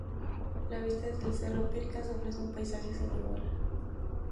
La vista desde el cerro Pircas ofrece un paisaje sin igual.